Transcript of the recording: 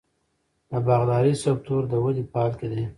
د باغدارۍ سکتور د ودې په حال کې دی.